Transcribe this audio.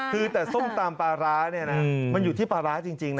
คือแต่ส้มตำปลาร้าเนี่ยนะมันอยู่ที่ปลาร้าจริงนะ